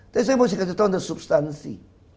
tapi saya masih kata kata tentang substansi